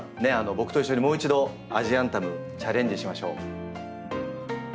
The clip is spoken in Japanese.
僕と一緒にもう一度アジアンタムチャレンジしましょう。